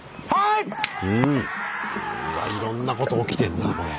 いろんなこと起きてんなこれ。